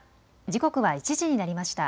時刻は１時になりました。